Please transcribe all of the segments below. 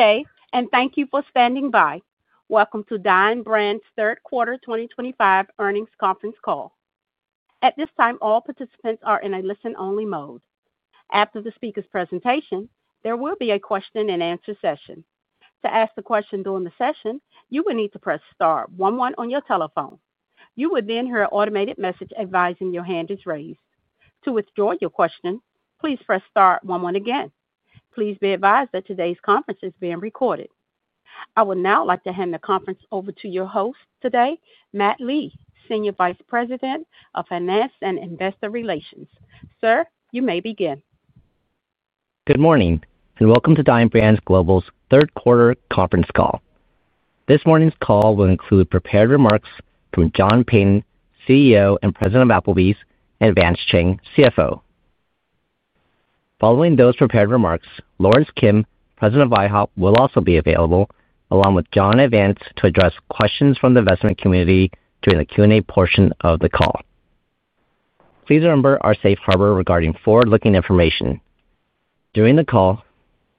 Good day, and thank you for standing by. Welcome to Dine Brands' third quarter 2025 earnings conference call. At this time, all participants are in a listen-only mode. After the speaker's presentation, there will be a question-and-answer session. To ask a question during the session, you will need to press star one one on your telephone. You will then hear an automated message advising your hand is raised. To withdraw your question, please press star one one again. Please be advised that today's conference is being recorded. I would now like to hand the conference over to your host today, Matt Lee, Senior Vice President of Finance and Investor Relations. Sir, you may begin. Good morning, and welcome to Dine Brands Global's third quarter conference call. This morning's call will include prepared remarks from John Peyton, CEO and President of Applebee's, and Vance Chang, CFO. Following those prepared remarks, Lawrence Kim, President of IHOP, will also be available along with John and Vance to address questions from the investment community during the Q&A portion of the call. Please remember our safe harbor regarding forward-looking information. During the call,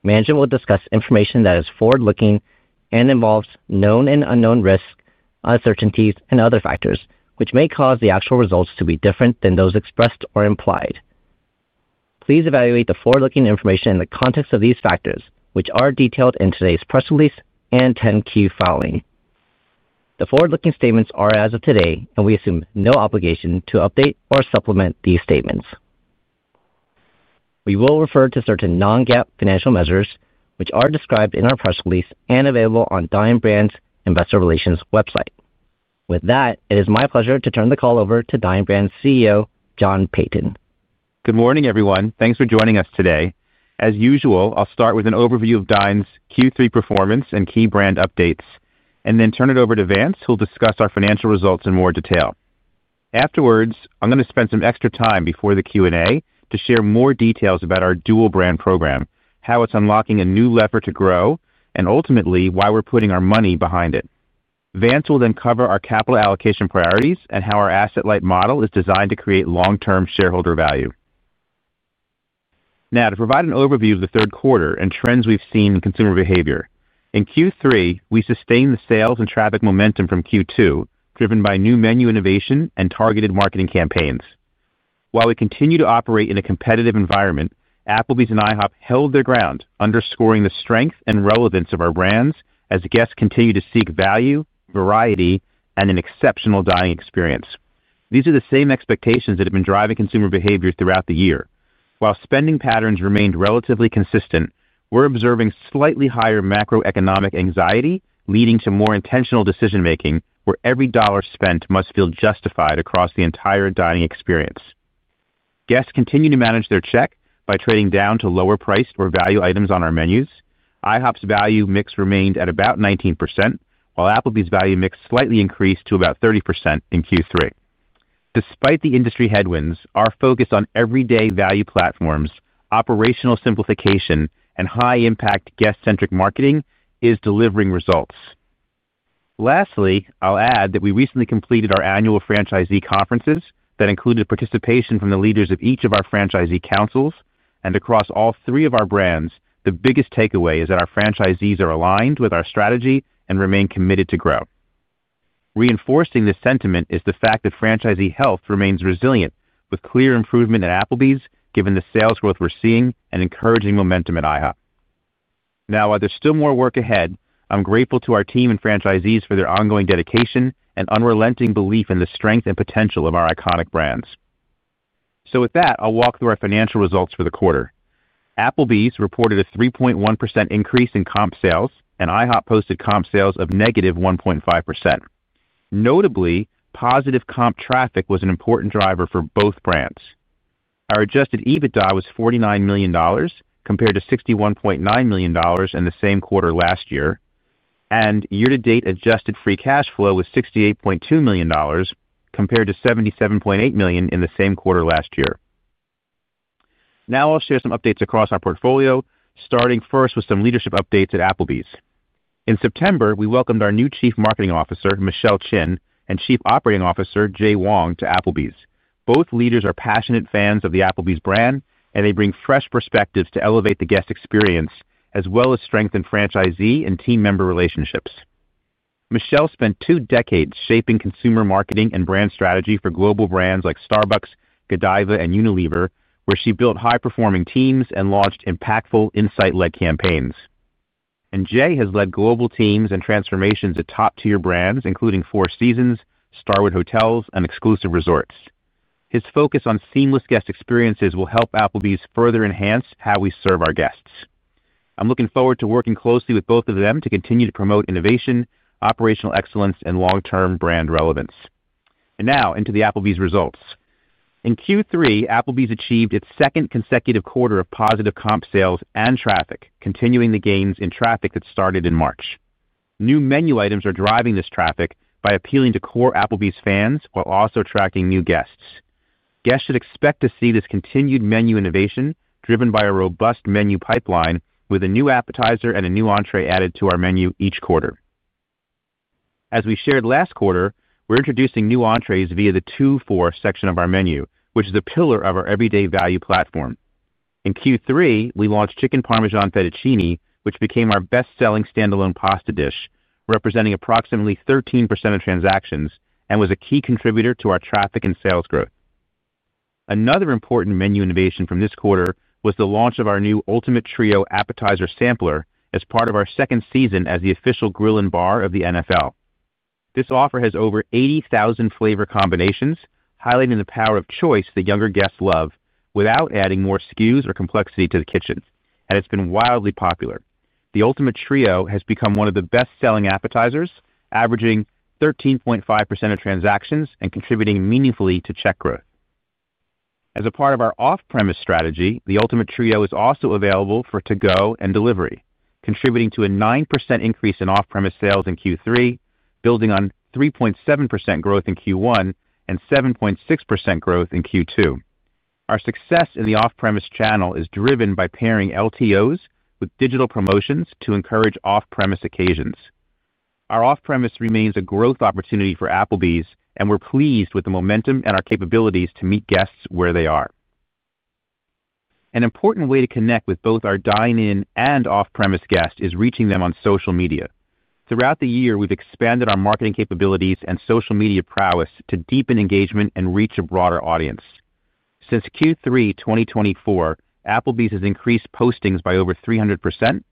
management will discuss information that is forward-looking and involves known and unknown risks, uncertainties, and other factors, which may cause the actual results to be different than those expressed or implied. Please evaluate the forward-looking information in the context of these factors, which are detailed in today's press release and 10Q following. The forward-looking statements are, as of today, and we assume no obligation to update or supplement these statements. We will refer to certain Non-GAAP financial measures, which are described in our press release and available on Dine Brands' Investor Relations website. With that, it is my pleasure to turn the call over to Dine Brands' CEO, John Peyton. Good morning, everyone. Thanks for joining us today. As usual, I'll start with an overview of Dine's Q3 performance and key brand updates, and then turn it over to Vance, who'll discuss our financial results in more detail. Afterwards, I'm going to spend some extra time before the Q&A to share more details about our Dual-Brand program, how it's unlocking a new lever to grow, and ultimately why we're putting our money behind it. Vance will then cover our capital allocation priorities and how our asset-light model is designed to create long-term shareholder value. Now, to provide an overview of the third quarter and trends we've seen in consumer behavior. In Q3, we sustained the sales and traffic momentum from Q2, driven by new menu innovation and targeted marketing campaigns. While we continue to operate in a competitive environment, Applebee's and IHOP held their ground, underscoring the strength and relevance of our brands as guests continue to seek value, variety, and an exceptional dining experience. These are the same expectations that have been driving consumer behavior throughout the year. While spending patterns remained relatively consistent, we're observing slightly higher macroeconomic anxiety leading to more intentional decision-making where every dollar spent must feel justified across the entire dining experience. Guests continue to manage their check by trading down to lower-priced or value items on our menus. IHOP's value mix remained at about 19%, while Applebee's value mix slightly increased to about 30% in Q3. Despite the industry headwinds, our focus on everyday value platforms, operational simplification, and high-impact guest-centric marketing is delivering results. Lastly, I'll add that we recently completed our annual franchisee conferences that included participation from the leaders of each of our franchisee councils. Across all three of our brands, the biggest takeaway is that our franchisees are aligned with our strategy and remain committed to grow. Reinforcing this sentiment is the fact that franchisee health remains resilient, with clear improvement at Applebee's given the sales growth we're seeing and encouraging momentum at IHOP. Now, while there's still more work ahead, I'm grateful to our team and franchisees for their ongoing dedication and unrelenting belief in the strength and potential of our iconic brands. With that, I'll walk through our financial results for the quarter. Applebee's reported a 3.1% increase in comp sales, and IHOP posted comp sales of negative 1.5%. Notably, positive comp traffic was an important driver for both brands. Our Adjusted EBITDA was $49 million, compared to $61.9 million in the same quarter last year. Year-to-date Adjusted Free Cash Flow was $68.2 million, compared to $77.8 million in the same quarter last year. Now I'll share some updates across our portfolio, starting first with some leadership updates at Applebee's. In September, we welcomed our new Chief Marketing Officer, Michelle Chin, and Chief Operating Officer, Jay Wong, to Applebee's. Both leaders are passionate fans of the Applebee's brand, and they bring fresh perspectives to elevate the guest experience as well as strengthen franchisee and team member relationships. Michelle spent two decades shaping consumer marketing and brand strategy for global brands like Starbucks, Godiva, and Unilever, where she built high-performing teams and launched impactful insight-led campaigns. Jay has led global teams and transformations at top-tier brands, including Four Seasons, Starwood Hotels, and exclusive resorts. His focus on seamless guest experiences will help Applebee's further enhance how we serve our guests. I am looking forward to working closely with both of them to continue to promote innovation, operational excellence, and long-term brand relevance. Now into the Applebee's results. In Q3, Applebee's achieved its second consecutive quarter of positive comp sales and traffic, continuing the gains in traffic that started in March. New menu items are driving this traffic by appealing to core Applebee's fans while also attracting new guests. Guests should expect to see this continued menu innovation driven by a robust menu pipeline with a new appetizer and a new entree added to our menu each quarter. As we shared last quarter, we are introducing new entrees via the 2 for $25 section of our menu, which is a pillar of our everyday value platform. In Q3, we launched Chicken Parmesan Fettuccine, which became our best-selling standalone pasta dish, representing approximately 13% of transactions and was a key contributor to our traffic and sales growth. Another important menu innovation from this quarter was the launch of our new Ultimate Trio appetizer sampler as part of our second season as the official grill and bar of the NFL. This offer has over 80,000 flavor combinations, highlighting the power of choice that younger guests love without adding more SKUs or complexity to the kitchen, and it's been wildly popular. The Ultimate Trio has become one of the best-selling appetizers, averaging 13.5% of transactions and contributing meaningfully to check growth. As a part of our off-premise strategy, the Ultimate Trio is also available for to-go and delivery, contributing to a 9% increase in off-premise sales in Q3, building on 3.7% growth in Q1 and 7.6% growth in Q2. Our success in the off-premise channel is driven by pairing LTOs with digital promotions to encourage off-premise occasions. Our off-premise remains a growth opportunity for Applebee's, and we're pleased with the momentum and our capabilities to meet guests where they are. An important way to connect with both our dine-in and off-premise guests is reaching them on social media. Throughout the year, we've expanded our marketing capabilities and social media prowess to deepen engagement and reach a broader audience. Since Q3 2024, Applebee's has increased postings by over 300%, and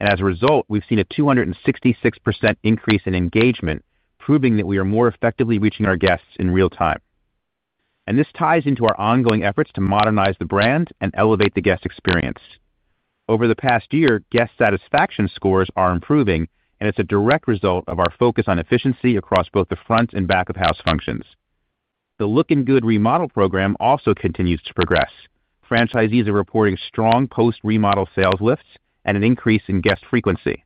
as a result, we've seen a 266% increase in engagement, proving that we are more effectively reaching our guests in real time. This ties into our ongoing efforts to modernize the brand and elevate the guest experience. Over the past year, guest satisfaction scores are improving, and it's a direct result of our focus on efficiency across both the front and back-of-house functions. The Looking Good Remodel program also continues to progress. Franchisees are reporting strong post-remodel sales lifts and an increase in guest frequency.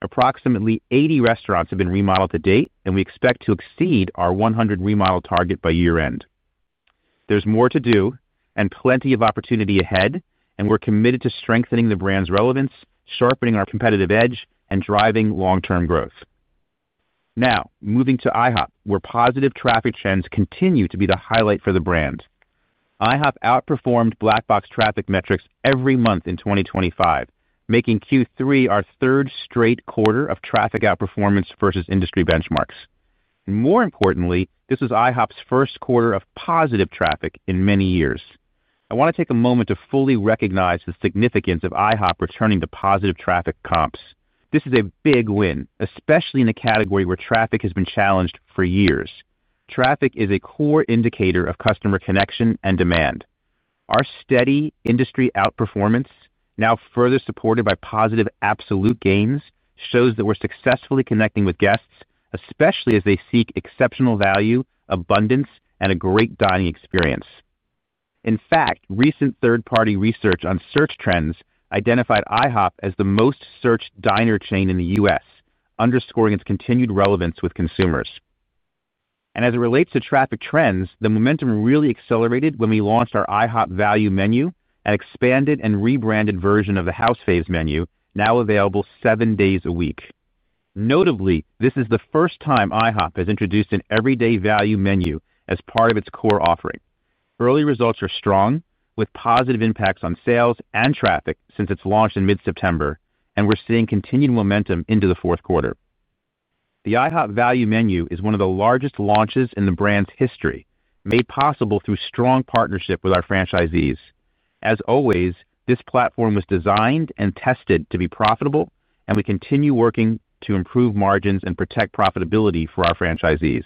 Approximately 80 restaurants have been remodeled to date, and we expect to exceed our 100 remodel target by year-end. There is more to do and plenty of opportunity ahead, and we're committed to strengthening the brand's relevance, sharpening our competitive edge, and driving long-term growth. Now, moving to IHOP, where positive traffic trends continue to be the highlight for the brand. IHOP outperformed Black Box Traffic metrics every month in 2025, making Q3 our third straight quarter of traffic outperformance versus industry benchmarks. More importantly, this was IHOP's first quarter of positive traffic in many years. I want to take a moment to fully recognize the significance of IHOP returning to positive traffic comps. This is a big win, especially in a category where traffic has been challenged for years. Traffic is a core indicator of customer connection and demand. Our steady industry outperformance, now further supported by positive absolute gains, shows that we're successfully connecting with guests, especially as they seek exceptional value, abundance, and a great dining experience. In fact, recent third-party research on search trends identified IHOP as the most searched diner chain in the US, underscoring its continued relevance with consumers. As it relates to traffic trends, the momentum really accelerated when we launched our IHOP value menu and expanded and rebranded version of the House Faves menu, now available seven days a week. Notably, this is the first time IHOP has introduced an everyday value menu as part of its core offering. Early results are strong, with positive impacts on sales and traffic since it launched in mid-September, and we're seeing continued momentum into the fourth quarter. The IHOP value menu is one of the largest launches in the brand's history, made possible through strong partnership with our franchisees. As always, this platform was designed and tested to be profitable, and we continue working to improve margins and protect profitability for our franchisees.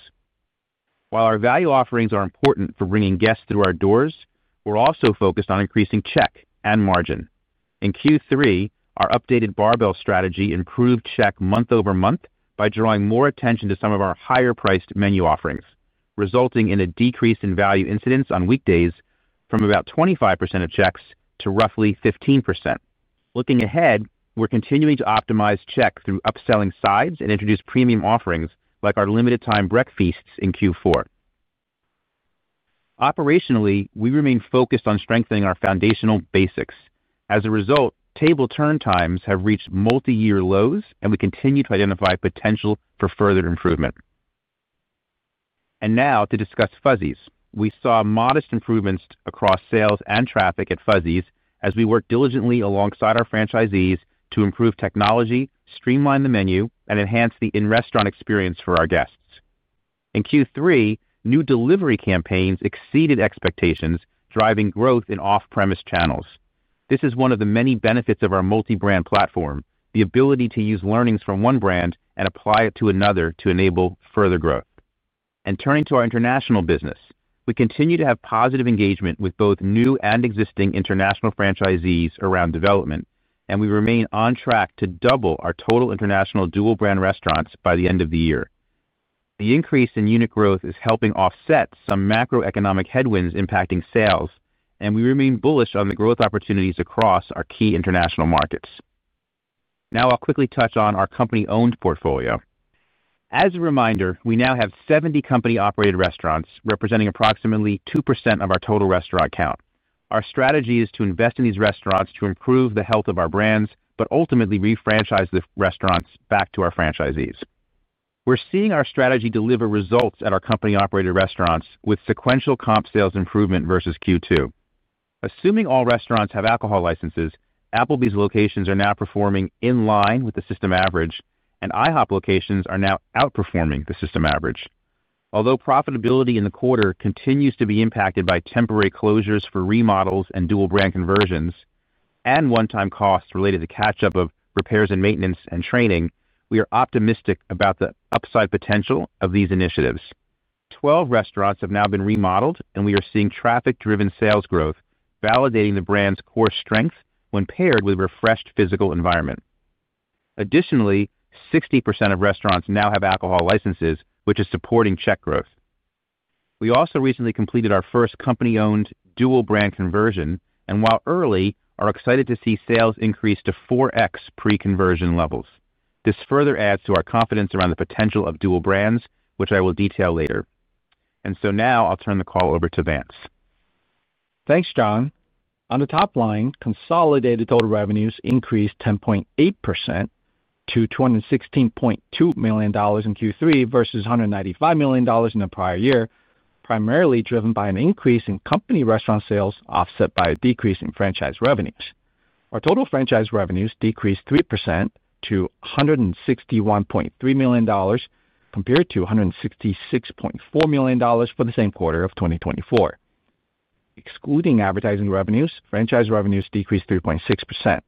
While our value offerings are important for bringing guests through our doors, we're also focused on increasing check and margin. In Q3, our updated barbell strategy improved check month-over-month by drawing more attention to some of our higher-priced menu offerings, resulting in a decrease in value incidence on weekdays from about 25% of checks to roughly 15%. Looking ahead, we're continuing to optimize check through upselling sides and introduce premium offerings like our limited-time breakfasts in Q4. Operationally, we remain focused on strengthening our foundational basics. As a result, table turn times have reached multi-year lows, and we continue to identify potential for further improvement. To discuss Fuzzy's, we saw modest improvements across sales and traffic at Fuzzy's as we worked diligently alongside our franchisees to improve technology, streamline the menu, and enhance the in-restaurant experience for our guests. In Q3, new delivery campaigns exceeded expectations, driving growth in off-premise channels. This is one of the many benefits of our multi-brand platform: the ability to use learnings from one brand and apply it to another to enable further growth. Turning to our international business, we continue to have positive engagement with both new and existing international franchisees around development, and we remain on track to double our total international Dual-Brand restaurants by the end of the year. The increase in unit growth is helping offset some macroeconomic headwinds impacting sales, and we remain bullish on the growth opportunities across our key international markets. Now I'll quickly touch on our company-owned portfolio. As a reminder, we now have 70 company-operated restaurants, representing approximately 2% of our total restaurant count. Our strategy is to invest in these restaurants to improve the health of our brands, but ultimately refranchise the restaurants back to our franchisees. We're seeing our strategy deliver results at our company-operated restaurants with sequential comp sales improvement versus Q2. Assuming all restaurants have alcohol licenses, Applebee's locations are now performing in line with the system average, and IHOP locations are now outperforming the system average. Although profitability in the quarter continues to be impacted by temporary closures for remodels and Dual-Brand conversions and one-time costs related to the catch-up of repairs and maintenance and training, we are optimistic about the upside potential of these initiatives. Twelve restaurants have now been remodeled, and we are seeing traffic-driven sales growth, validating the brand's core strength when paired with a refreshed physical environment. Additionally, 60% of restaurants now have alcohol licenses, which is supporting check growth. We also recently completed our first company-owned Dual-Brand conversion, and while early, are excited to see sales increase to 4x pre-conversion levels. This further adds to our confidence around the potential of dual brands, which I will detail later. Now I'll turn the call over to Vance. Thanks, John. On the top line, consolidated total revenues increased 10.8% to $216.2 million in Q3 versus $195 million in the prior year, primarily driven by an increase in company restaurant sales offset by a decrease in franchise revenues. Our total franchise revenues decreased 3% to $161.3 million, compared to $166.4 million for the same quarter of 2024. Excluding advertising revenues, franchise revenues decreased 3.6%.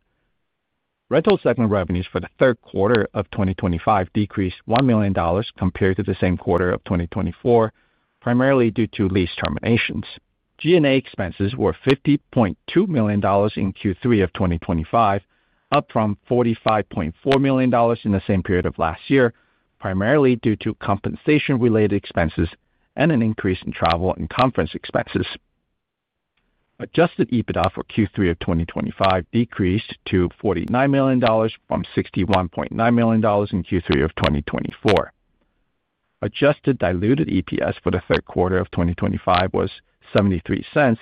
Rental segment revenues for the third quarter of 2025 decreased $1 million compared to the same quarter of 2024, primarily due to lease terminations. G&A expenses were $50.2 million in Q3 of 2025, up from $45.4 million in the same period of last year, primarily due to compensation-related expenses and an increase in travel and conference expenses. Adjusted EBITDA for Q3 of 2025 decreased to $49 million from $61.9 million in Q3 of 2024. Adjusted diluted EPS for the third quarter of 2025 was $0.73,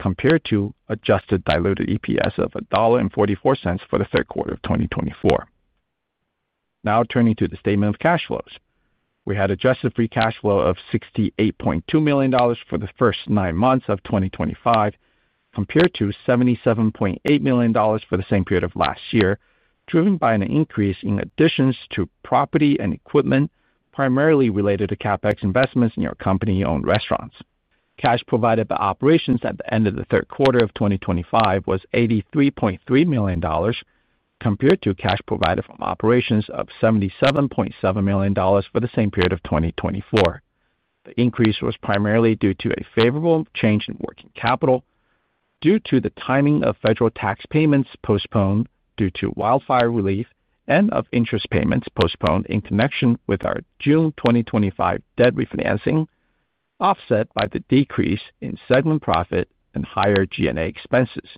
compared to adjusted diluted EPS of $1.44 for the third quarter of 2024. Now turning to the statement of cash flows. We had Adjusted Free Cash Flow of $68.2 million for the first nine months of 2025, compared to $77.8 million for the same period of last year, driven by an increase in additions to property and equipment, primarily related to CapEx investments in your company-owned restaurants. Cash provided by operations at the end of the third quarter of 2025 was $83.3 million, compared to cash provided from operations of $77.7 million for the same period of 2024. The increase was primarily due to a favorable change in working capital, due to the timing of federal tax payments postponed due to wildfire relief, and of interest payments postponed in connection with our June 2025 debt refinancing, offset by the decrease in segment profit and higher G&A expenses.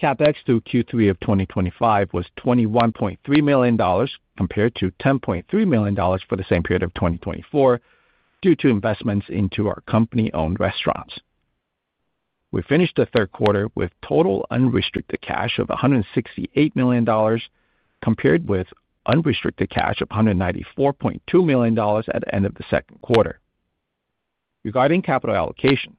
CapEx through Q3 2025 was $21.3 million, compared to $10.3 million for the same period of 2024, due to investments into our company-owned restaurants. We finished the third quarter with total unrestricted cash of $168 million, compared with unrestricted cash of $194.2 million at the end of the second quarter. Regarding capital allocation,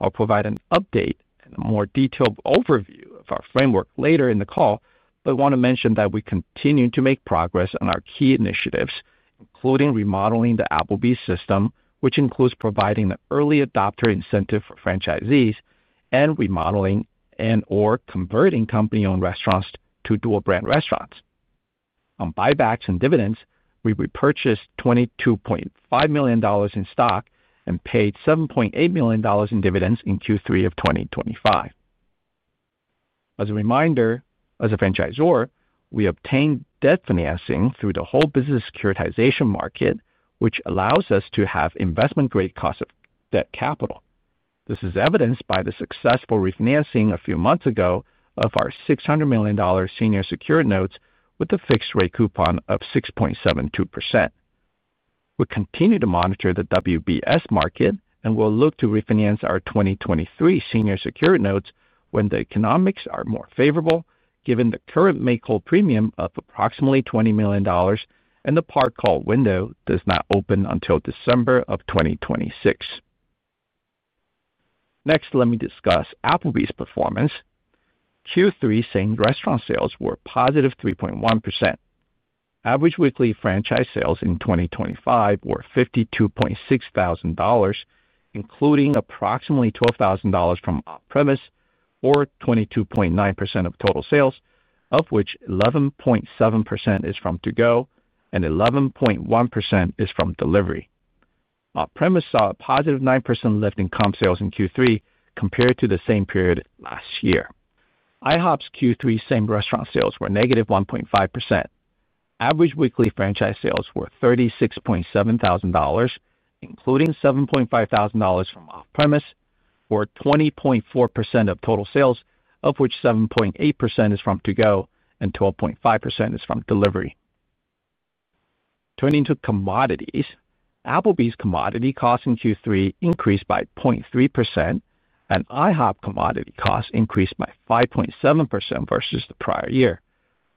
I'll provide an update and a more detailed overview of our framework later in the call, but I want to mention that we continue to make progress on our key initiatives, including remodeling the Applebee's system, which includes providing the early adopter incentive for franchisees, and remodeling and/or converting company-owned restaurants to Dual-Brand restaurants. On buybacks and dividends, we repurchased $22.5 million in stock and paid $7.8 million in dividends in Q3 of 2025. As a reminder, as a franchisor, we obtained debt financing through the whole business securitization market, which allows us to have investment-grade cost of debt capital. This is evidenced by the successful refinancing a few months ago of our $600 million senior secured notes with a fixed-rate coupon of 6.72%. We continue to monitor the WBS market, and we'll look to refinance our 2023 senior secured notes when the economics are more favorable, given the current make-whole premium of approximately $20 million, and the par call window does not open until December of 2026. Next, let me discuss Applebee's performance. Q3 same restaurant sales were positive 3.1%. Average weekly franchise sales in 2025 were $52,600. Including approximately $12,000 from off-premise, or 22.9% of total sales, of which 11.7% is from to-go and 11.1% is from delivery. Off-premise saw a positive 9% lift in comp sales in Q3 compared to the same period last year. IHOP's Q3 same restaurant sales were negative 1.5%. Average weekly franchise sales were $36,700, including $7,750 from off-premise, or 20.4% of total sales, of which 7.8% is from to-go and 12.5% is from delivery. Turning to commodities, Applebee's commodity costs in Q3 increased by 0.3%, and IHOP commodity costs increased by 5.7% versus the prior year.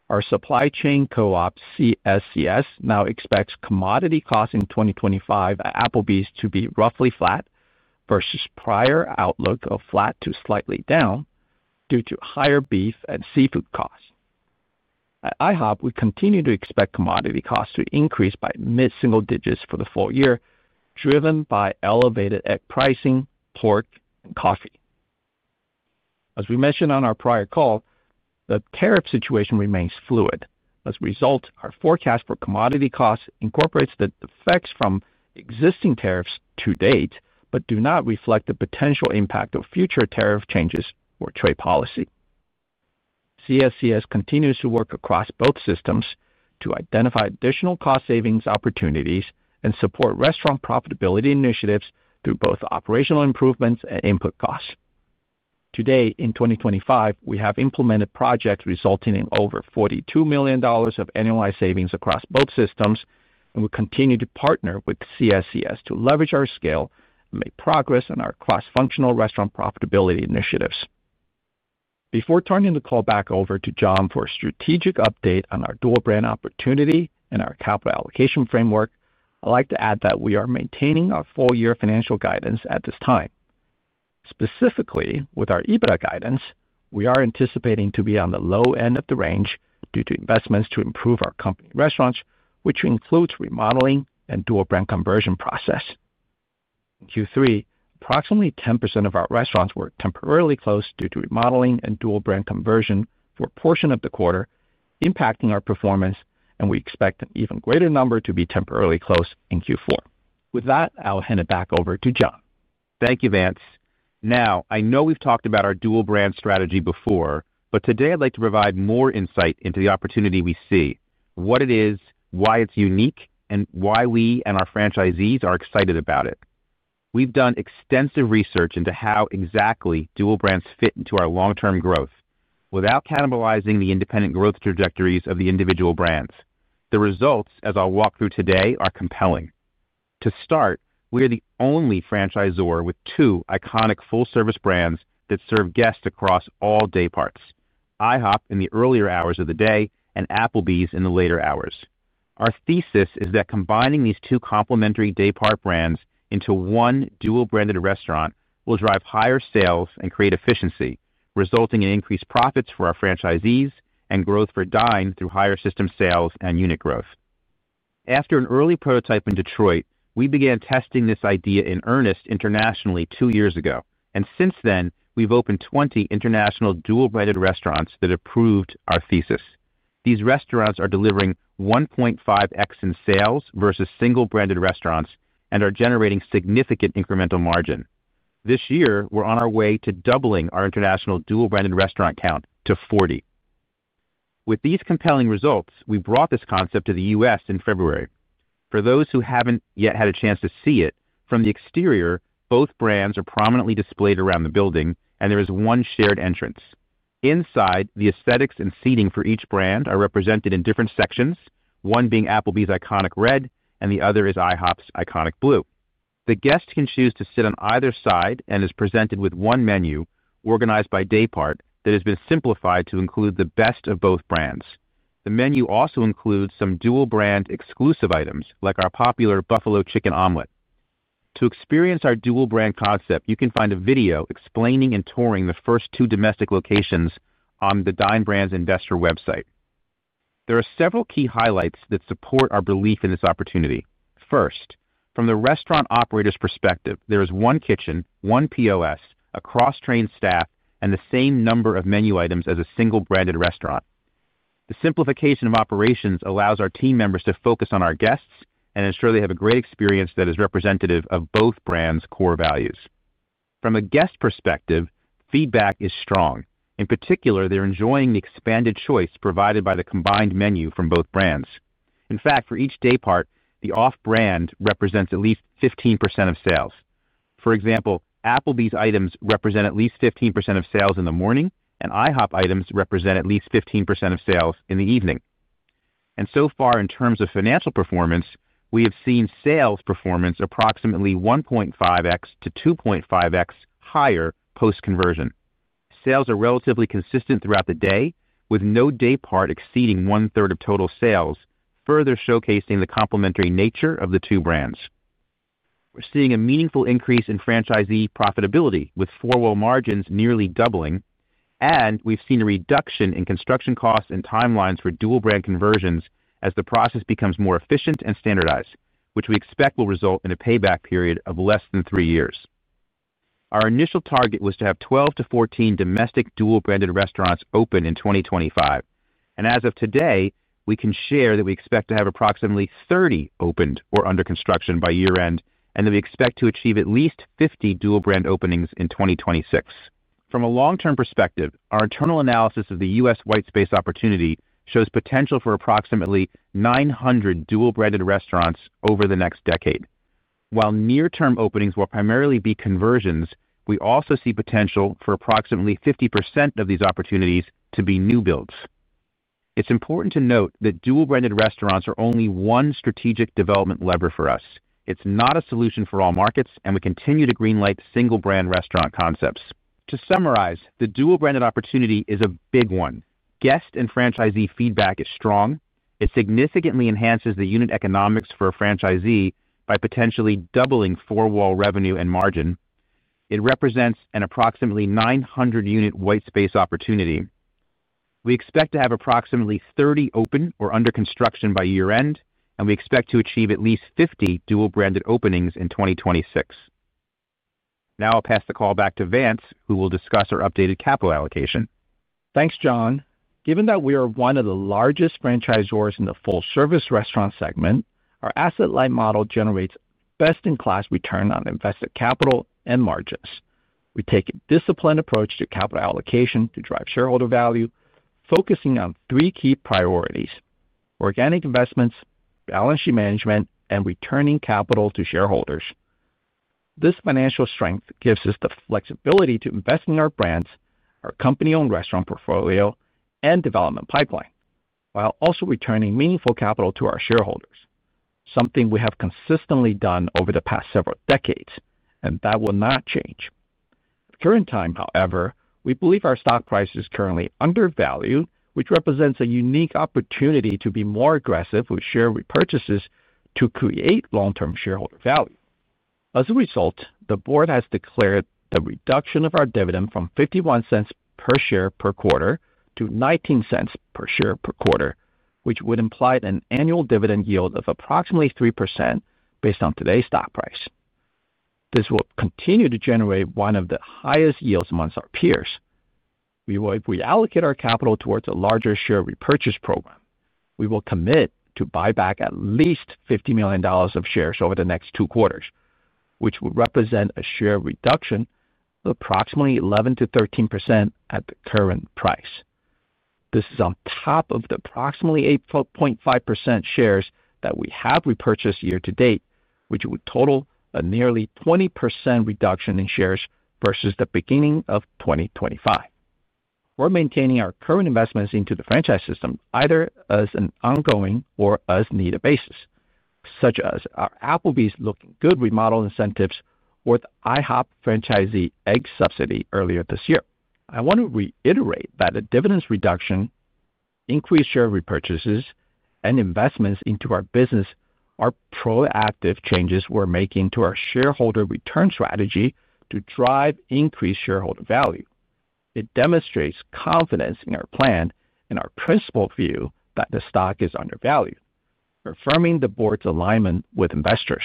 Our Supply Chain Co-op, CSCS, now expects commodity costs in 2025 at Applebee's to be roughly flat versus prior outlook of flat to slightly down due to higher beef and seafood costs. At IHOP, we continue to expect commodity costs to increase by mid-single digits for the full year, driven by elevated egg pricing, pork, and coffee. As we mentioned on our prior call, the tariff situation remains fluid. As a result, our forecast for commodity costs incorporates the effects from existing tariffs to date, but do not reflect the potential impact of future tariff changes or trade policy. CSCS continues to work across both systems to identify additional cost savings opportunities and support restaurant profitability initiatives through both operational improvements and input costs. Today, in 2025, we have implemented projects resulting in over $42 million of annualized savings across both systems, and we continue to partner with CSCS to leverage our scale and make progress on our cross-functional restaurant profitability initiatives. Before turning the call back over to John for a strategic update on our Dual-Brand opportunity and our capital allocation framework, I'd like to add that we are maintaining our full-year financial guidance at this time. Specifically, with our EBITDA guidance, we are anticipating to be on the low end of the range due to investments to improve our company restaurants, which includes remodeling and Dual-Brand conversion process. In Q3, approximately 10% of our restaurants were temporarily closed due to remodeling and Dual-Brand conversion for a portion of the quarter, impacting our performance, and we expect an even greater number to be temporarily closed in Q4. With that, I'll hand it back over to John. Thank you, Vance. Now, I know we've talked about our Dual-Brand strategy before, but today I'd like to provide more insight into the opportunity we see, what it is, why it's unique, and why we and our franchisees are excited about it. We've done extensive research into how exactly dual brands fit into our long-term growth without cannibalizing the independent growth trajectories of the individual brands. The results, as I'll walk through today, are compelling. To start, we are the only franchisor with two iconic full-service brands that serve guests across all day parts: IHOP in the earlier hours of the day and Applebee's in the later hours. Our thesis is that combining these two complementary day-part brands into one Dual-Branded restaurant will drive higher sales and create efficiency, resulting in increased profits for our franchisees and growth for Dine through higher system sales and unit growth. After an early prototype in Detroit, we began testing this idea in earnest internationally two years ago, and since then, we've opened 20 international Dual-Branded restaurants that have proved our thesis. These restaurants are delivering 1.5x in sales versus single-branded restaurants and are generating significant incremental margin. This year, we're on our way to doubling our international Dual-Branded restaurant count to 40. With these compelling results, we brought this concept to the U.S. in February. For those who haven't yet had a chance to see it, from the exterior, both brands are prominently displayed around the building, and there is one shared entrance. Inside, the aesthetics and seating for each brand are represented in different sections, one being Applebee's iconic red, and the other is IHOP's iconic blue. The guest can choose to sit on either side and is presented with one menu organized by day-part that has been simplified to include the best of both brands. The menu also includes some Dual-Brand exclusive items, like our popular Buffalo Chicken Omelet. To experience our Dual-Brand concept, you can find a video explaining and touring the first two domestic locations on the Dine Brands Investor website. There are several key highlights that support our belief in this opportunity. First, from the restaurant operator's perspective, there is one kitchen, one POS, a cross-trained staff, and the same number of menu items as a single-branded restaurant. The simplification of operations allows our team members to focus on our guests and ensure they have a great experience that is representative of both brands' core values. From a guest perspective, feedback is strong. In particular, they're enjoying the expanded choice provided by the combined menu from both brands. In fact, for each day-part, the off-brand represents at least 15% of sales. For example, Applebee's items represent at least 15% of sales in the morning, and IHOP items represent at least 15% of sales in the evening. In terms of financial performance, we have seen sales performance approximately 1.5x to 2.5x higher post-conversion. Sales are relatively consistent throughout the day, with no day-part exceeding one-third of total sales, further showcasing the complementary nature of the two brands. We're seeing a meaningful increase in franchisee profitability, with four-wall margins nearly doubling, and we've seen a reduction in construction costs and timelines for Dual-Brand conversions as the process becomes more efficient and standardized, which we expect will result in a payback period of less than three years. Our initial target was to have 12 to 14 domestic Dual-Branded restaurants open in 2025, and as of today, we can share that we expect to have approximately 30 opened or under construction by year-end, and that we expect to achieve at least 50 Dual-Brand openings in 2026. From a long-term perspective, our internal analysis of the U.S. White Space Opportunity shows potential for approximately 900 Dual-Branded restaurants over the next decade. While near-term openings will primarily be conversions, we also see potential for approximately 50% of these opportunities to be new builds. It's important to note that Dual-Branded restaurants are only one strategic development lever for us. It's not a solution for all markets, and we continue to greenlight single-brand restaurant concepts. To summarize, the Dual-Branded opportunity is a big one. Guest and franchisee feedback is strong. It significantly enhances the unit economics for a franchisee by potentially doubling four-wall revenue and margin. It represents an approximately 900-unit white space opportunity. We expect to have approximately 30 open or under construction by year-end, and we expect to achieve at least 50 Dual-Branded openings in 2026. Now I'll pass the call back to Vance, who will discuss our updated capital allocation. Thanks, John. Given that we are one of the largest franchisors in the full-service restaurant segment, our asset-light model generates best-in-class return on invested capital and margins. We take a disciplined approach to capital allocation to drive shareholder value, focusing on three key priorities: organic investments, balance sheet management, and returning capital to shareholders. This financial strength gives us the flexibility to invest in our brands, our company-owned restaurant portfolio, and development pipeline, while also returning meaningful capital to our shareholders, something we have consistently done over the past several decades, and that will not change. At the current time, however, we believe our stock price is currently undervalued, which represents a unique opportunity to be more aggressive with share repurchases to create long-term shareholder value. As a result, the board has declared the reduction of our dividend from $0.51 per share per quarter to $0.19 per share per quarter, which would imply an annual dividend yield of approximately 3% based on today's stock price. This will continue to generate one of the highest yields amongst our peers. We will reallocate our capital towards a larger share repurchase program. We will commit to buy back at least $50 million of shares over the next two quarters, which would represent a share reduction of approximately 11%-13% at the current price. This is on top of the approximately 8.5% shares that we have repurchased year-to-date, which would total a nearly 20% reduction in shares versus the beginning of 2025. We're maintaining our current investments into the franchise system either as an ongoing or as-needed basis, such as our Applebee's Looking Good Remodel incentives or the IHOP franchisee egg subsidy earlier this year. I want to reiterate that a dividends reduction, increased share repurchases, and investments into our business are proactive changes we're making to our shareholder return strategy to drive increased shareholder value. It demonstrates confidence in our plan and our principal view that the stock is undervalued, affirming the board's alignment with investors.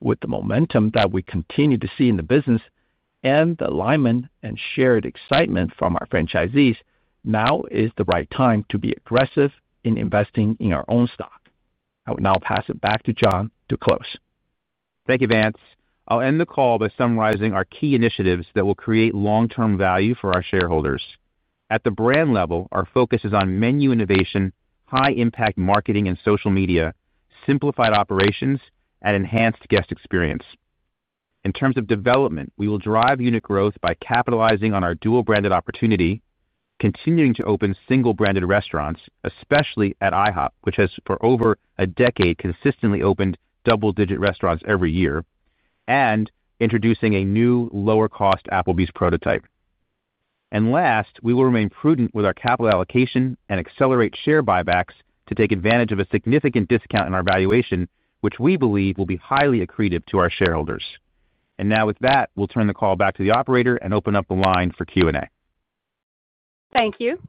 With the momentum that we continue to see in the business and the alignment and shared excitement from our franchisees, now is the right time to be aggressive in investing in our own stock. I will now pass it back to John to close. Thank you, Vance. I'll end the call by summarizing our key initiatives that will create long-term value for our shareholders. At the brand level, our focus is on menu innovation, high-impact marketing and social media, simplified operations, and enhanced guest experience. In terms of development, we will drive unit growth by capitalizing on our Dual-Branded opportunity, continuing to open single-branded restaurants, especially at IHOP, which has for over a decade consistently opened double-digit restaurants every year, and introducing a new lower-cost Applebee's prototype. We will remain prudent with our capital allocation and accelerate share buybacks to take advantage of a significant discount in our valuation, which we believe will be highly accretive to our shareholders. Now with that, we'll turn the call back to the operator and open up the line for Q&A. Thank you.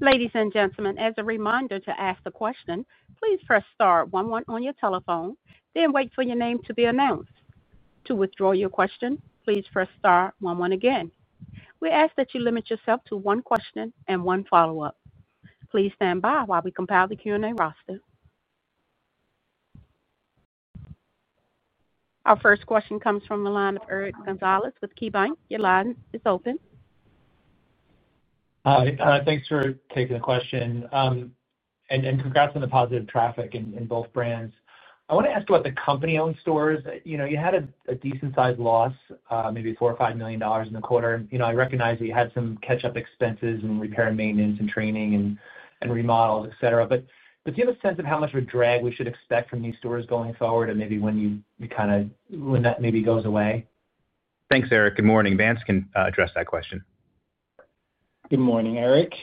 Ladies and gentlemen, as a reminder to ask the question, please press star one one on your telephone. Then wait for your name to be announced. To withdraw your question, please press star one one again. We ask that you limit yourself to one question and one follow-up. Please stand by while we compile the Q&A roster. Our first question comes from Eric Gonzalez with KeyBanc. Your line is open. Hi. Thanks for taking the question and congrats on the positive traffic in both brands. I want to ask about the company-owned stores. You had a decent-sized loss, maybe $4 million or $5 million in the quarter. I recognize that you had some catch-up expenses and repair and maintenance and training and remodels, et cetera. Do you have a sense of how much of a drag we should expect from these stores going forward and maybe when you kind of when that maybe goes away? Thanks, Eric. Good morning. Vance can address that question. Good morning, Eric.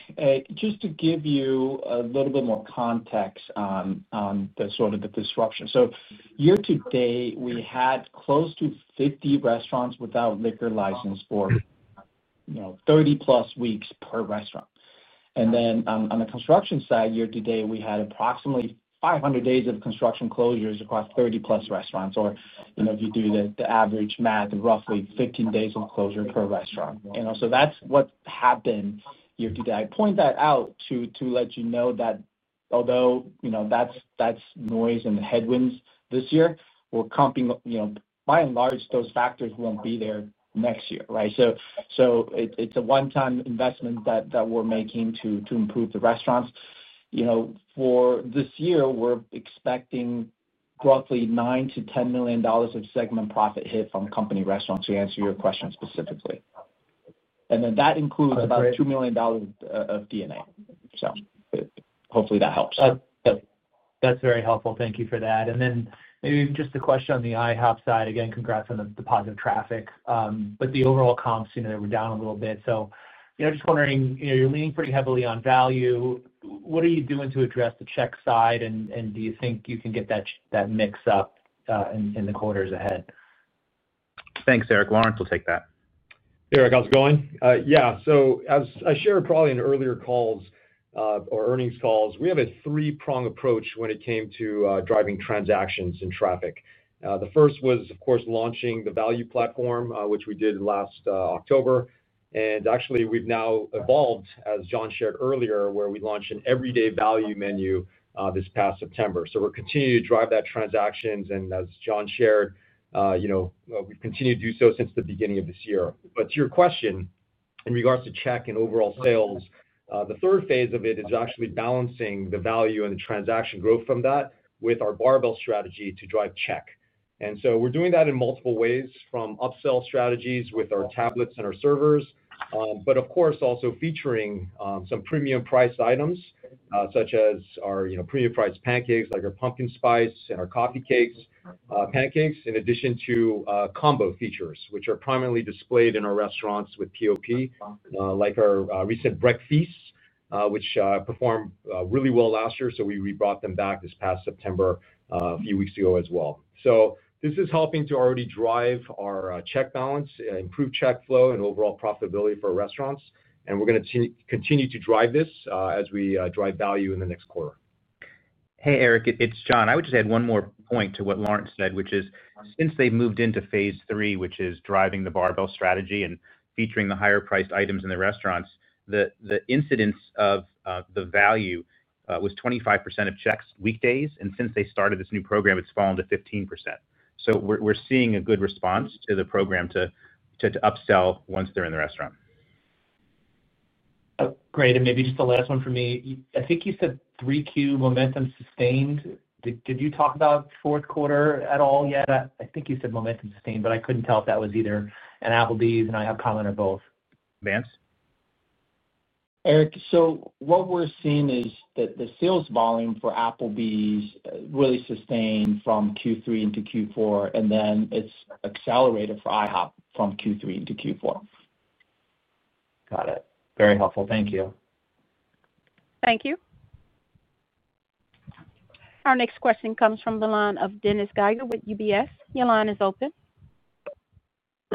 Just to give you a little bit more context on the sort of the disruption. Year-to-date, we had close to 50 restaurants without liquor license for 30-plus weeks per restaurant. On the construction side, year-to-date, we had approximately 500 days of construction closures across 30-plus restaurants, or if you do the average math, roughly 15 days of closure per restaurant. That is what happened year-to-date. I point that out to let you know that although that's noise and headwinds this year, we're comping. By and large, those factors won't be there next year, right? It's a one-time investment that we're making to improve the restaurants. For this year, we're expecting roughly $9 million to $10 million of segment profit hit from company restaurants to answer your question specifically. That includes about $2 million of DNA. Hopefully that helps. That's very helpful. Thank you for that. Maybe just a question on the IHOP side. Again, congrats on the positive traffic. The overall comps, they were down a little bit. Just wondering, you're leaning pretty heavily on value. What are you doing to address the check side? Do you think you can get that mix up in the quarters ahead? Thanks, Eric. Lawrence will take that. Eric, how's it going? Yeah. As I shared probably in earlier calls or earnings calls, we have a three-prong approach when it came to driving transactions and traffic. The first was, of course, launching the value platform, which we did last October. Actually, we've now evolved, as John shared earlier, where we launched an everyday value menu this past September. We're continuing to drive that transactions. As John shared, we've continued to do so since the beginning of this year. To your question, in regards to check and overall sales, the third phase of it is actually balancing the value and the transaction growth from that with our barbell strategy to drive check. We are doing that in multiple ways from upsell strategies with our tablets and our servers, but of course, also featuring some premium-priced items such as our premium-priced pancakes like our pumpkin spice and our coffee cakes pancakes, in addition to combo features, which are primarily displayed in our restaurants with POP, like our recent Breakfeasts, which performed really well last year. We rebrought them back this past September a few weeks ago as well. This is helping to already drive our check balance, improve check flow, and overall profitability for our restaurants. We are going to continue to drive this as we drive value in the next quarter. Hey, Eric, it's John. I would just add one more point to what Lawrence said, which is since they've moved into phase three, which is driving the barbell strategy and featuring the higher-priced items in the restaurants, the incidence of the value was 25% of checks weekdays. And since they started this new program, it's fallen to 15%. So we're seeing a good response to the program to upsell once they're in the restaurant. Great. Maybe just the last one for me. I think you said 3Q momentum sustained. Did you talk about fourth quarter at all yet? I think you said momentum sustained, but I couldn't tell if that was either an Applebee's and IHOP comment or both. Vance? Eric, what we're seeing is that the sales volume for Applebee's really sustained from Q3 into Q4, and then it's accelerated for IHOP from Q3 into Q4. Got it. Very helpful. Thank you. Thank you. Our next question comes from the line of Dennis Geiger with UBS. Your line is open.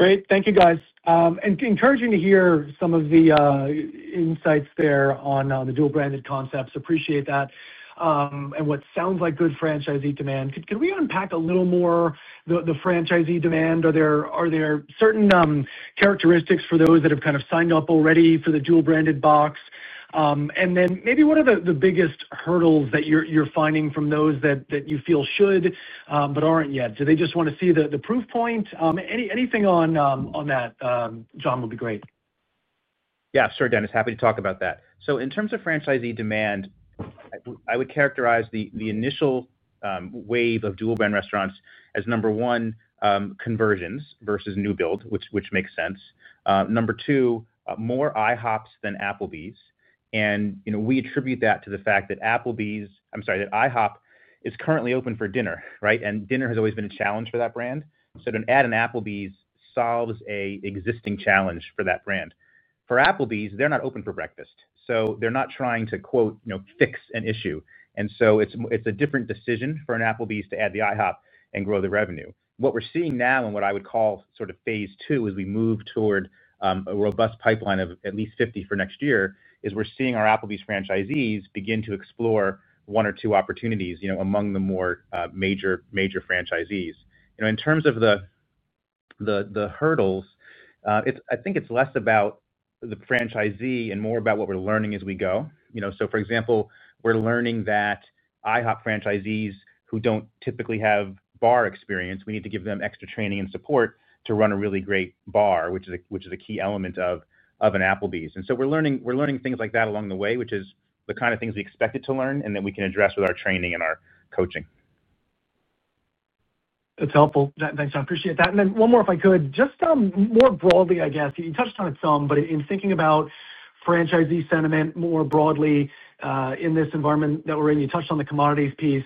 Great. Thank you, guys. Encouraging to hear some of the insights there on the Dual-Branded concepts. Appreciate that. What sounds like good franchisee demand. Can we unpack a little more the franchisee demand? Are there certain characteristics for those that have kind of signed up already for the Dual-Branded box? What are the biggest hurdles that you are finding from those that you feel should but are not yet? Do they just want to see the proof point? Anything on that, John, would be great. Yeah, sure, Dennis. Happy to talk about that. In terms of franchisee demand, I would characterize the initial wave of Dual-Brand restaurants as, number one, conversions versus new build, which makes sense. Number two, more IHOPs than Applebee's. We attribute that to the fact that IHOP is currently open for dinner, right? Dinner has always been a challenge for that brand. To add an Applebee's solves an existing challenge for that brand. For Applebee's, they're not open for breakfast. They're not trying to, quote, fix an issue. It is a different decision for an Applebee's to add the IHOP and grow the revenue. What we're seeing now in what I would call sort of phase two as we move toward a robust pipeline of at least 50 for next year is we're seeing our Applebee's franchisees begin to explore one or two opportunities among the more major franchisees. In terms of the hurdles, I think it's less about the franchisee and more about what we're learning as we go. For example, we're learning that IHOP franchisees who do not typically have bar experience, we need to give them extra training and support to run a really great bar, which is a key element of an Applebee's. We are learning things like that along the way, which is the kind of things we expect to learn and that we can address with our training and our coaching. That's helpful. Thanks. I appreciate that. One more, if I could, just more broadly, I guess. You touched on it some, but in thinking about franchisee sentiment more broadly in this environment that we're in, you touched on the commodities piece.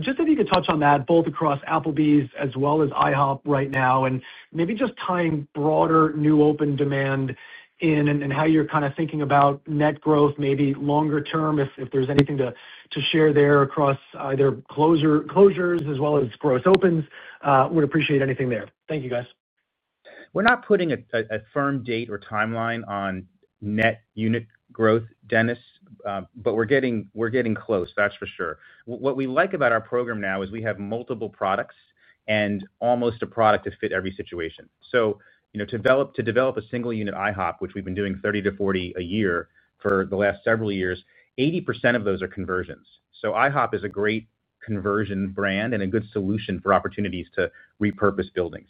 Just if you could touch on that, both across Applebee's as well as IHOP right now, and maybe just tying broader new open demand in and how you're kind of thinking about net growth, maybe longer term, if there's anything to share there across either closures as well as gross opens, would appreciate anything there. Thank you, guys. We're not putting a firm date or timeline on net unit growth, Dennis, but we're getting close, that's for sure. What we like about our program now is we have multiple products and almost a product to fit every situation. To develop a single-unit IHOP, which we've been doing 30-40 a year for the last several years, 80% of those are conversions. IHOP is a great conversion brand and a good solution for opportunities to repurpose buildings.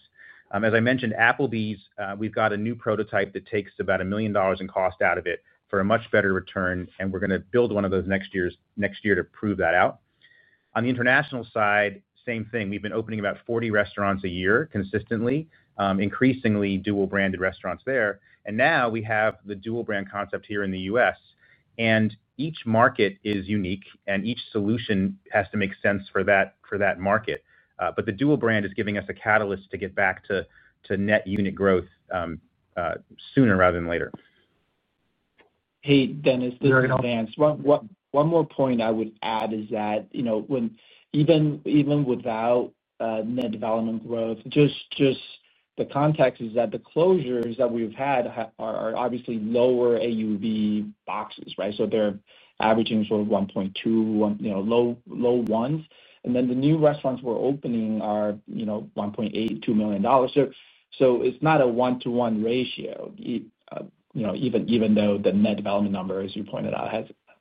As I mentioned, Applebee's, we've got a new prototype that takes about $1 million in cost out of it for a much better return, and we're going to build one of those next year to prove that out. On the international side, same thing. We've been opening about 40 restaurants a year consistently, increasingly Dual-Branded restaurants there. Now we have the Dual-Brand concept here in the U.S. Each market is unique, and each solution has to make sense for that market. The dual brand is giving us a catalyst to get back to net unit growth sooner rather than later. Hey, Dennis, this is Vance. One more point I would add is that even without net development growth, just the context is that the closures that we've had are obviously lower AUV boxes, right? They're averaging sort of $1.2 million, low ones. The new restaurants we're opening are $1.8 million, $2 million. It is not a one-to-one ratio. Even though the net development number, as you pointed out,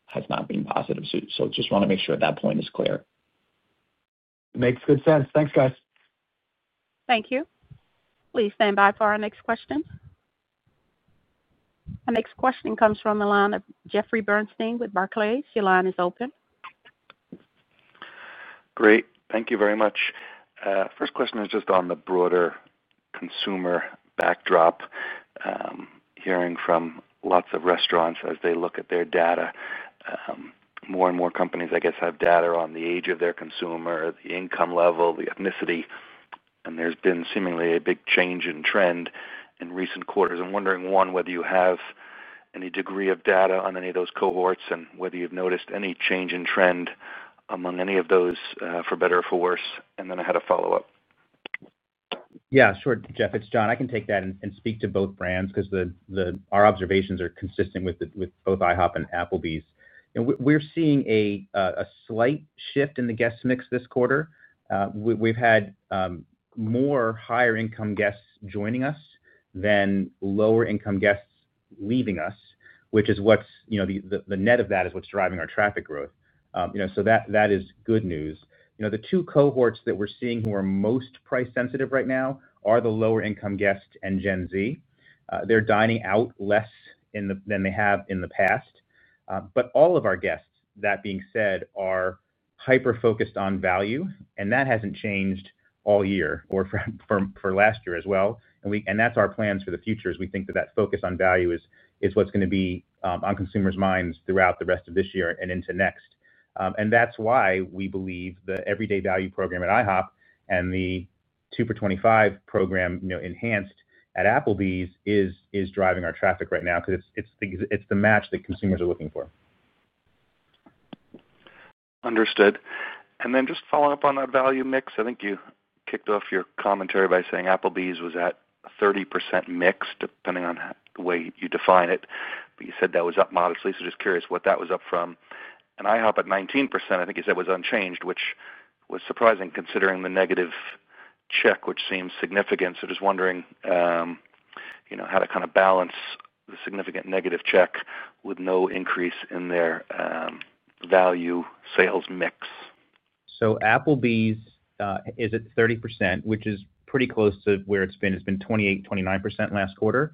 has not been positive. I just want to make sure that point is clear. Makes good sense. Thanks, guys. Thank you. Please stand by for our next question. Our next question comes from the line of Jeffrey Bernstein with Barclays. Your line is open. Great. Thank you very much. First question is just on the broader consumer backdrop. Hearing from lots of restaurants as they look at their data. More and more companies, I guess, have data on the age of their consumer, the income level, the ethnicity. There has been seemingly a big change in trend in recent quarters. I'm wondering, one, whether you have any degree of data on any of those cohorts and whether you've noticed any change in trend among any of those, for better or for worse. And I have a follow-up. Yeah, sure, Jeff. It's John. I can take that and speak to both brands because our observations are consistent with both IHOP and Applebee's. We're seeing a slight shift in the guest mix this quarter. We've had more higher-income guests joining us than lower-income guests leaving us, which is what's the net of that is what's driving our traffic growth. That is good news. The two cohorts that we're seeing who are most price-sensitive right now are the lower-income guests and Gen Z, they're dining out less than they have in the past. All of our guests, that being said, are hyper-focused on value, and that has not changed all year or for last year as well. That is our plans for the future. We think that focus on value is what is going to be on consumers' minds throughout the rest of this year and into next. That is why we believe the everyday value program at IHOP and the 2 for $25 program enhanced at Applebee's is driving our traffic right now because it is the match that consumers are looking for. Understood. Just following up on that value mix, I think you kicked off your commentary by saying Applebee's was at 30% mixed, depending on the way you define it. You said that was up modestly. Just curious what that was up from. IHOP at 19%, I think you said was unchanged, which was surprising considering the negative check, which seems significant. Just wondering how to kind of balance the significant negative check with no increase in their value sales mix. Applebee's is at 30%, which is pretty close to where it's been. It's been 28% to 29% last quarter.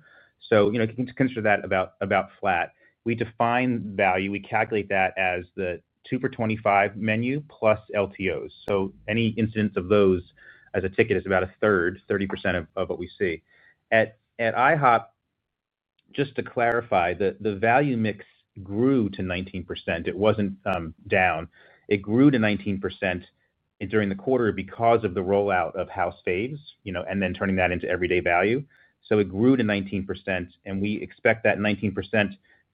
You can consider that about flat. We define value. We calculate that as the 2 for $25 menu plus LTOs. Any incidence of those as a ticket is about a third, 30% of what we see. At IHOP, just to clarify, the value mix grew to 19%. It was not down. It grew to 19% during the quarter because of the rollout of House Faves and then turning that into everyday value. It grew to 19%, and we expect that 19%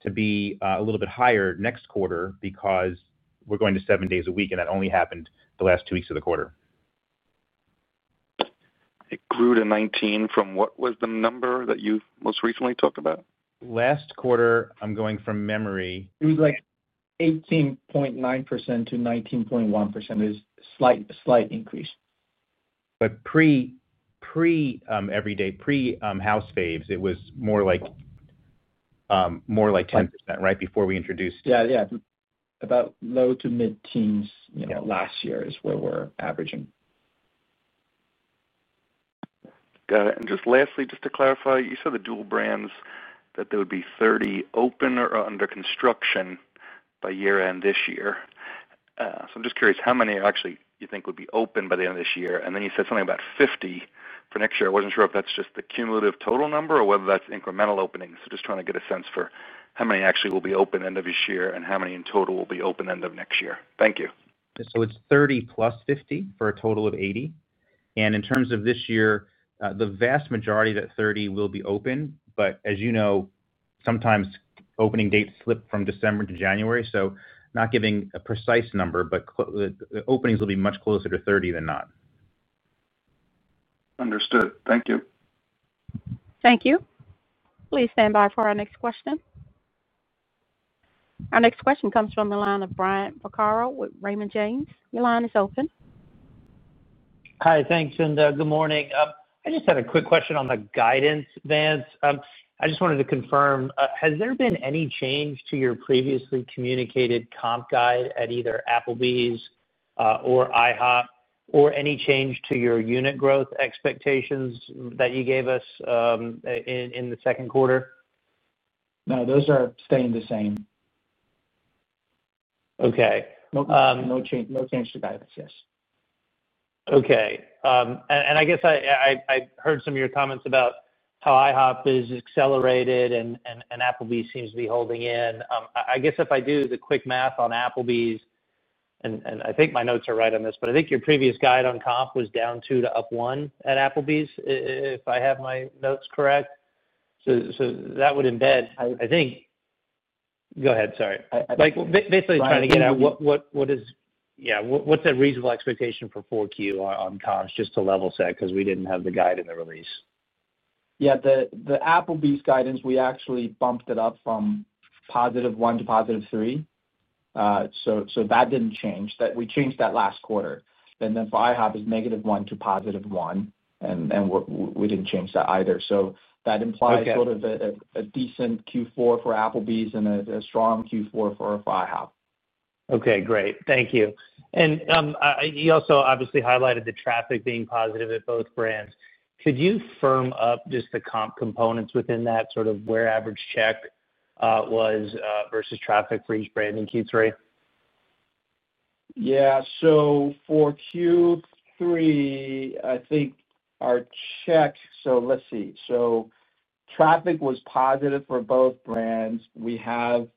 to be a little bit higher next quarter because we're going to seven days a week, and that only happened the last two weeks of the quarter. It grew to 19% from what was the number that you most recently talked about? Last quarter, I'm going from memory. It was like 18.9% to 19.1%. There's a slight increase. Pre-everyday, pre-House Faves, it was more like 10%, right, before we introduced? Yeah, yeah. About low to mid-teens last year is where we were averaging. Got it. Just lastly, just to clarify, you said the dual brands, that there would be 30 open or under construction by year-end this year. I'm just curious how many actually you think would be open by the end of this year. You said something about 50 for next year I wasn't sure if that's just the cumulative total number or whether that's incremental openings. Just trying to get a sense for how many actually will be open at the end of this year and how many in total will be open at the end of next year. Thank you. It's 30 plus 50 for a total of 80. In terms of this year, the vast majority of that 30 will be open. As you know, sometimes opening dates slip from December to January. Not giving a precise number, but openings will be much closer to 30 than not. Understood. Thank you. Thank you. Please stand by for our next question. Our next question comes from the line of Brian Vaccaro with Raymond James. Your line is open. Hi, thanks. Good morning. I just had a quick question on the guidance, Vance. I just wanted to confirm, has there been any change to your previously communicated comp guide at either Applebee's or IHOP or any change to your unit growth expectations that you gave us in the second quarter? No, those are staying the same. Okay. No change to guidance, yes. Okay. I guess I heard some of your comments about how IHOP is accelerated and Applebee's seems to be holding in. I guess if I do the quick math on Applebee's, and I think my notes are right on this, but I think your previous guide on comp was down 2% to up 1% at Applebee's, if I have my notes correct. So that would embed, I think. Go ahead, sorry. Basically trying to get at what is, yeah, what's a reasonable expectation for 4Q on comps just to level set because we didn't have the guide in the release? Yeah, the Applebee's guidance, we actually bumped it up from positive one to positive three. That didn't change. We changed that last quarter. For IHOP, it's negative one to positive one, and we didn't change that either. That implies sort of a decent Q4 for Applebee's and a strong Q4 for IHOP. Okay, great. Thank you. You also obviously highlighted the traffic being positive at both brands. Could you firm up just the comp components within that, sort of where average check was versus traffic for each brand in Q3? Yeah. For Q3, I think our check, so let's see. Traffic was positive for both brands. We have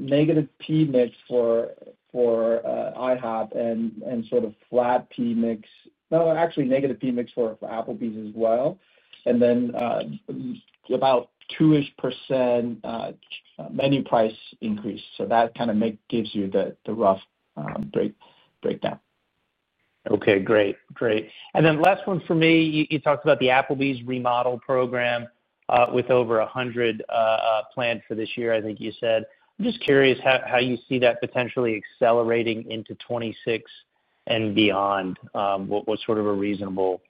negative PMIX for IHOP and sort of flat PMIX, no, actually negative PMIX for Applebee's as well. Then about 2%-ish menu price increase. That kind of gives you the rough breakdown. Okay, great. Great. Last one for me, you talked about the Applebee's remodel program. With over 100 planned for this year, I think you said. I'm just curious how you see that potentially accelerating into 2026 and beyond, what sort of a reasonable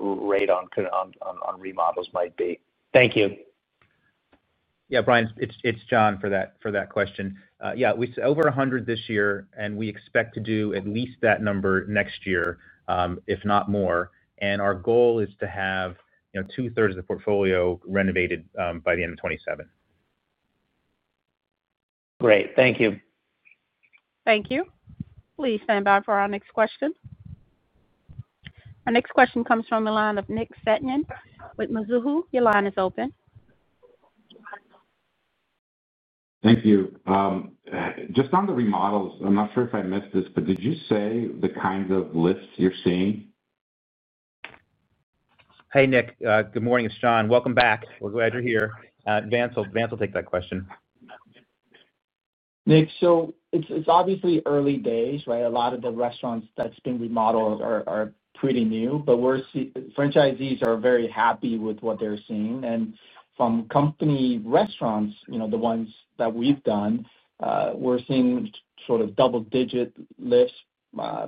rate on remodels might be. Thank you. Yeah, Brian, it's John for that question. Yeah, we said over 100 this year, and we expect to do at least that number next year, if not more. Our goal is to have two-thirds of the portfolio renovated by the end of 2027. Great. Thank you. Thank you. Please stand by for our next question. Our next question comes from the line of Nick Setyan with Mizuho. Your line is open. Thank you. Just on the remodels, I'm not sure if I missed this, but did you say the kinds of lifts you're seeing? Hey, Nick. Good morning. It's John. Welcome back. We're glad you're here. Vance will take that question. Nick, so it's obviously early days, right? A lot of the restaurants that have been remodeled are pretty new, but franchisees are very happy with what they're seeing. And from company restaurants, the ones that we've done, we're seeing sort of double-digit lifts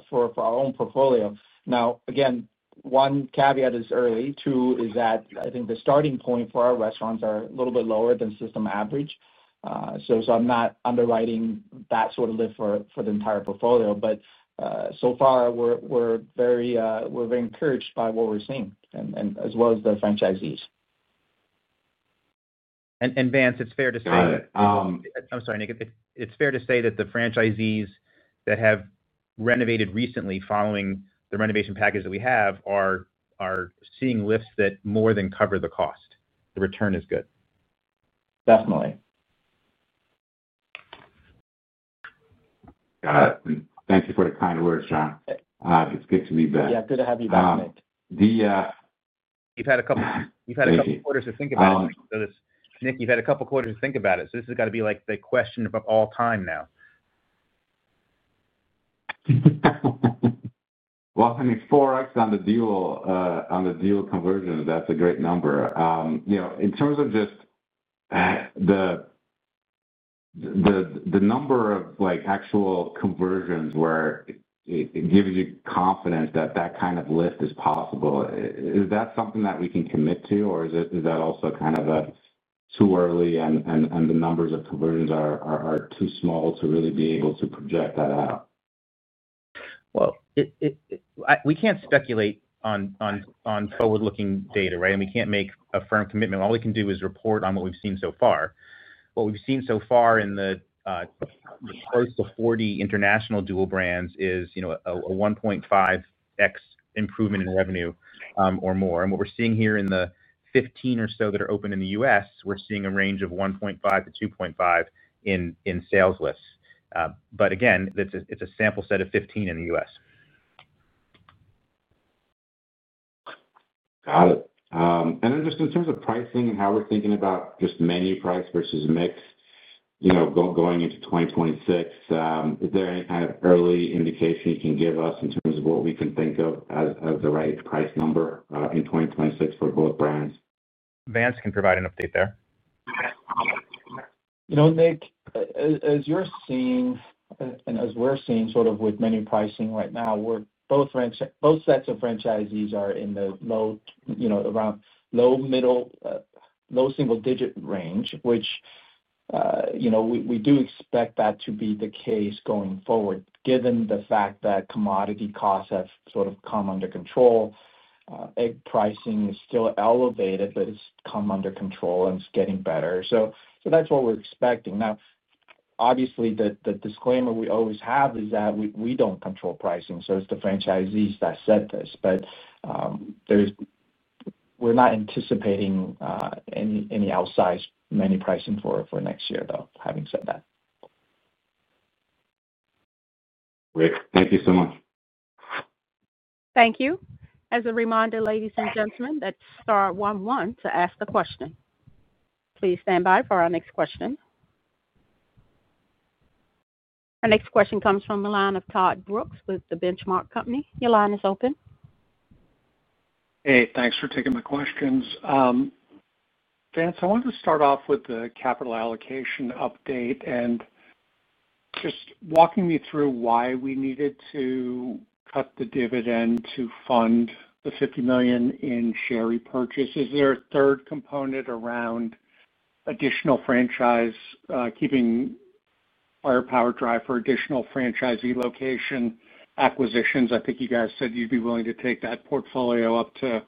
for our own portfolio. Now, again, one caveat is early. Two is that I think the starting point for our restaurants is a little bit lower than system average. I'm not underwriting that sort of lift for the entire portfolio. So far, we're very encouraged by what we're seeing, as well as the franchisees. And Vance, it's fair to say. I'm sorry, Nick. It's fair to say that the franchisees that have renovated recently following the renovation package that we have are seeing lifts that more than cover the cost. The return is good. Definitely. Got it. Thank you for the kind words, John. It's good to be back. Yeah, good to have you back, Nick. You've had a couple of quarters to think about it. This has got to be the question of all time now. I mean, 4x on the deal. Conversion, that's a great number. In terms of just the number of actual conversions where it gives you confidence that that kind of lift is possible, is that something that we can commit to, or is that also kind of. Too early and the numbers of conversions are too small to really be able to project that out? We can't speculate on forward-looking data, right? And we can't make a firm commitment. All we can do is report on what we've seen so far. What we've seen so far in the close to 40 international dual brands is a 1.5x improvement in revenue or more. What we're seeing here in the 15 or so that are open in the U.S. we're seeing a range of 1.5 to 2.5 in sales lifts. Again, it's a sample set of 15 in the U.S. Got it. And then just in terms of pricing and how we're thinking about just menu price versus mix. Going into 2026, is there any kind of early indication you can give us in terms of what we can think of as the right price number in 2026 for both brands? Vance can provide an update there. Nick, as you're seeing and as we're seeing sort of with menu pricing right now, both sets of franchisees are in the low-middle, low single-digit range, which we do expect that to be the case going forward, given the fact that commodity costs have sort of come under control. Egg pricing is still elevated, but it's come under control and it's getting better. That's what we're expecting. Now, obviously, the disclaimer we always have is that we don't control pricing. It's the franchisees that set this. We're not anticipating any outsized menu pricing for next year, though, having said that. Great. Thank you so much. Thank you. As a reminder, ladies and gentlemen, that's star one one to ask a question. Please stand by for our next question. Our next question comes from the line of Todd Brooks with The Benchmark Company. Your line is open. Hey, thanks for taking my questions. Vance, I wanted to start off with the capital allocation update and just walking me through why we needed to cut the dividend to fund the $50 million in share repurchase. Is there a third component around additional franchise, keeping firepower drive for additional franchisee location acquisitions? I think you guys said you'd be willing to take that portfolio up to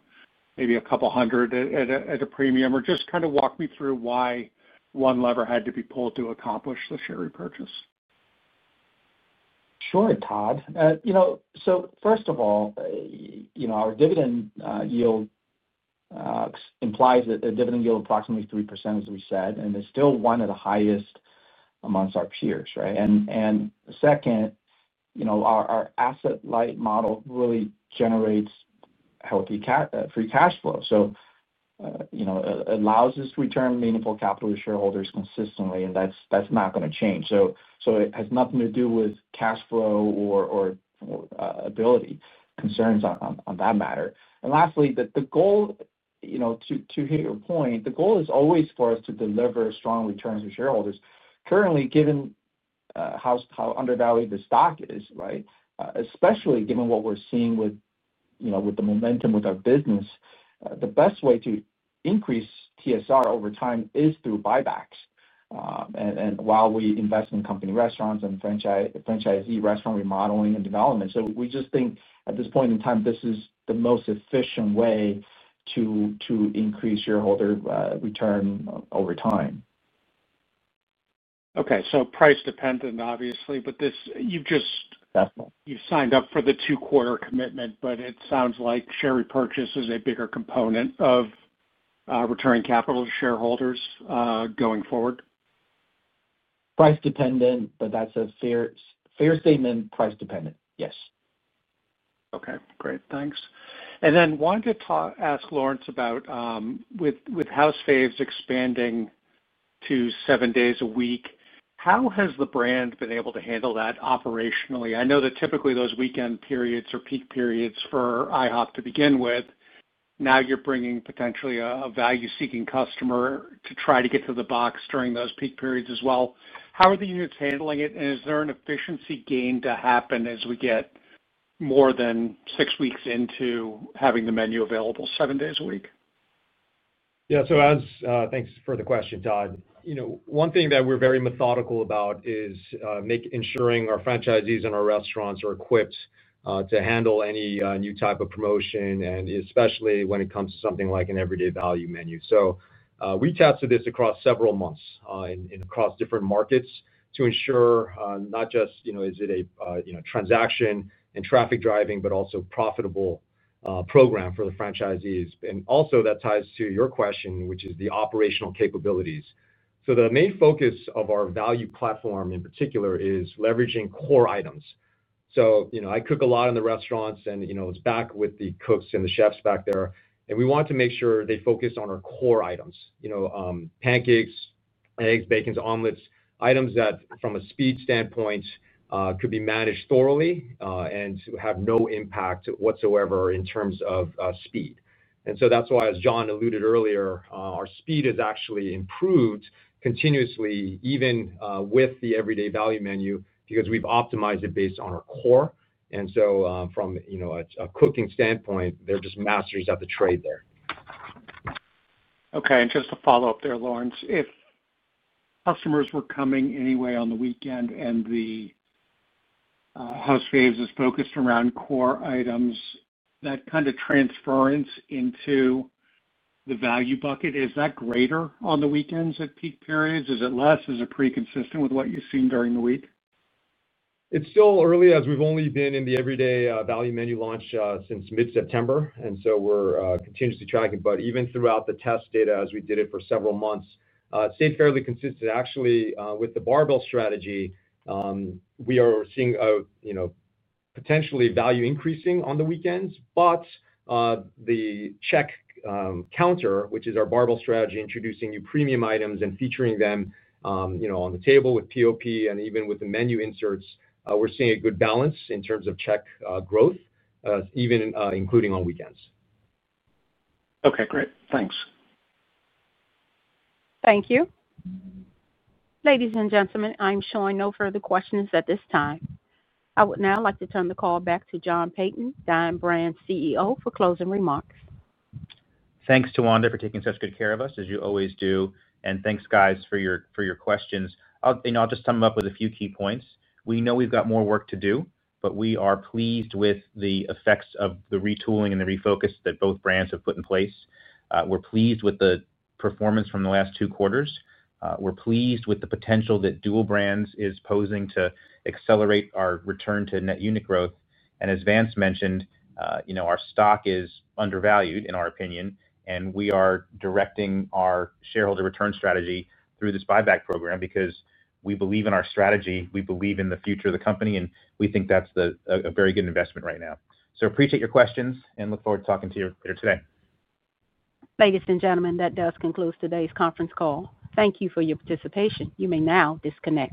maybe a couple hundred at a premium. Or just kind of walk me through why one lever had to be pulled to accomplish the share repurchase. Sure, Todd. So first of all. Our dividend yield. Implies a dividend yield of approximately 3%, as we said, and it's still one of the highest amongst our peers, right? Second, our asset light model really generates healthy Free Cash Flow. It allows us to return meaningful capital to shareholders consistently, and that's not going to change. It has nothing to do with cash flow or ability concerns on that matter. Lastly, the goal, to hear your point, the goal is always for us to deliver strong returns to shareholders. Currently, given how undervalued the stock is, right, especially given what we're seeing with the momentum with our business, the best way to increase TSR over time is through buybacks. While we invest in company restaurants and franchisee restaurant remodeling and development, we just think at this point in time, this is the most efficient way to increase shareholder return over time. Okay. Price dependent, obviously, but you've just. Definitely. You've signed up for the two-quarter commitment, but it sounds like share repurchase is a bigger component of returning capital to shareholders going forward. Price dependent, but that's a fair statement. Price dependent, yes. Okay. Great. Thanks. I wanted to ask Lawrence about, with House Faves expanding to seven days a week, how has the brand been able to handle that operationally? I know that typically those weekend periods are peak periods for IHOP to begin with. Now you're bringing potentially a value-seeking customer to try to get to the box during those peak periods as well. How are the units handling it? Is there an efficiency gain to happen as we get more than six weeks into having the menu available seven days a week? Yeah. Thanks for the question, Todd. One thing that we're very methodical about is ensuring our franchisees and our restaurants are equipped to handle any new type of promotion, and especially when it comes to something like an everyday value menu. We tested this across several months and across different markets to ensure not just is it a transaction and traffic driving, but also a profitable program for the franchisees. That also ties to your question, which is the operational capabilities. The main focus of our value platform in particular is leveraging core items. I cook a lot in the restaurants, and it's back with the cooks and the chefs back there. We want to make sure they focus on our core items. Pancakes, eggs, bacons, omelets, items that from a speed standpoint could be managed thoroughly and have no impact whatsoever in terms of speed. That is why, as John alluded earlier, our speed has actually improved continuously, even with the everyday value menu, because we have optimized it based on our core. From a cooking standpoint, they are just masters at the trade there. Okay. Just to follow up there, Lawrence, if customers were coming anyway on the weekend and the House Faves is focused around core items, that kind of transference into the value bucket, is that greater on the weekends at peak periods? Is it less? Is it pretty consistent with what you have seen during the week? It is still early as we have only been in the everyday value menu launch since mid-September, and we are continuously tracking. Even throughout the test data, as we did it for several months, it stayed fairly consistent. Actually, with the barbell strategy, we are seeing potentially value increasing on the weekends, but the check counter, which is our barbell strategy, introducing new premium items and featuring them. On the table with POP and even with the menu inserts, we're seeing a good balance in terms of check growth, even including on weekends. Okay. Great. Thanks. Thank you. Ladies and gentlemen, I'm showing no further questions at this time. I would now like to turn the call back to John Peyton, Dine Brands Global CEO, for closing remarks. Thanks, Tawanda, for taking such good care of us, as you always do. Thanks, guys, for your questions. I'll just sum up with a few key points. We know we've got more work to do, but we are pleased with the effects of the retooling and the refocus that both brands have put in place. We're pleased with the performance from the last two quarters. We're pleased with the potential that dual brands is posing to accelerate our return to net unit growth. As Vance mentioned, our stock is undervalued, in our opinion, and we are directing our shareholder return strategy through this buyback program because we believe in our strategy, we believe in the future of the company, and we think that's a very good investment right now. Appreciate your questions and look forward to talking to you later today. Ladies and gentlemen, that does conclude today's conference call. Thank you for your participation. You may now disconnect.